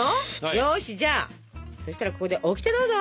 よしじゃあそしたらここでオキテどうぞ！